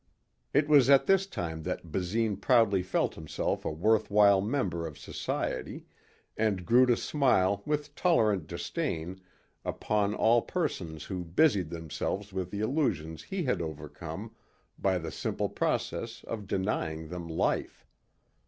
It was at this time that Basine proudly felt himself a worthwhile member of society and grew to smile with tolerant disdain upon all persons who busied themselves with the illusions he had overcome by the simple process of denying them life.